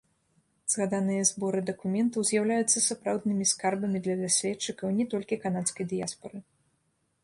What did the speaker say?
Згаданыя зборы дакументаў з'яўляюцца сапраўднымі скарбамі для даследчыкаў не толькі канадскай дыяспары.